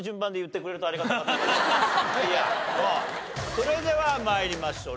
それでは参りましょう。